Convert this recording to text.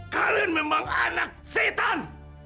kalian memang anak setan